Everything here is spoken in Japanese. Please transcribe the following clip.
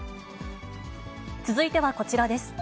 続いてはこちらです。